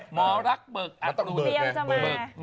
หมอลักเบิกอรุณ